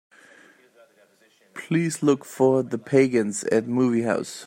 Please look for The Pagans at movie house.